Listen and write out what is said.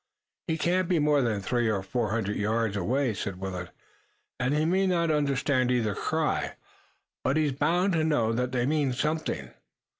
"He can't be more than three or four hundred yards away," said Willet, "and he may not understand either cry, but he's bound to know that they mean something."